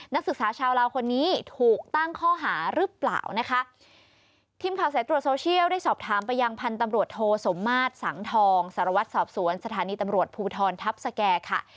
นักศึกษาชาวลาวคนนี้ถูกตั้งข้อหารึเปล่านะคะ